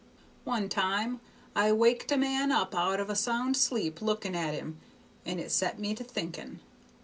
One time I waked a man up out of a sound sleep looking at him, and it set me to thinking.